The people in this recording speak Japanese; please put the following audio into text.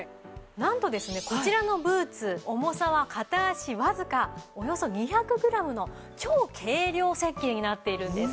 なんとですねこちらのブーツ重さは片足わずかおよそ２００グラムの超軽量設計になっているんです。